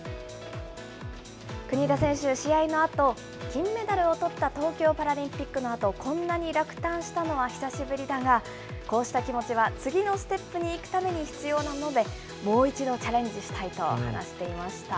国枝選手、試合のあと、金メダルをとった東京パラリンピックのあと、こんなに落胆したのは久しぶりだが、こうした気持ちは次のステップに行くために必要なもので、もう一度チャレンジしたいと話していました。